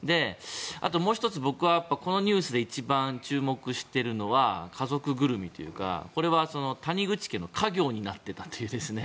もう１つ、僕はやっぱりこのニュースで一番注目するのは家族ぐるみというかこれは谷口家の家業になっていたという。